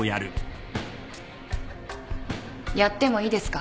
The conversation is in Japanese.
やってもいいですか？